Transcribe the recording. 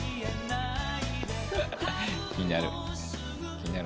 気になる。